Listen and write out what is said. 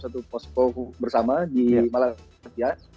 itu posco bersama di malatya